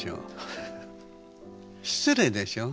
失礼でしょ。